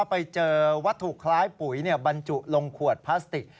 ไปเจอวัตถุคล้ายปุ๋ยบรรจุลงขวดพลาสติก